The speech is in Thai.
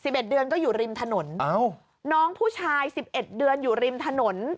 เอ็ดเดือนก็อยู่ริมถนนอ้าวน้องผู้ชายสิบเอ็ดเดือนอยู่ริมถนน